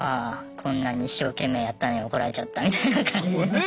こんなに一生懸命やったのに怒られちゃったみたいな感じで。